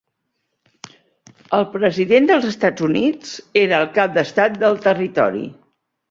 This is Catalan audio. El President dels Estats Units era el Cap d'Estat del territori.